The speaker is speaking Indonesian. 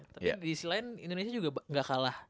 tapi diisi lain indonesia juga gak kalah